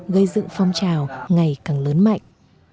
gây dựng phong trào ngày càng lớn mạnh